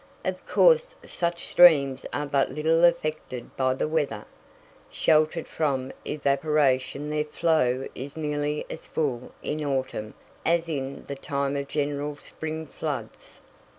Of course such streams are but little affected by the weather. Sheltered from evaporation their flow is nearly as full in the autumn as in the time of general spring floods.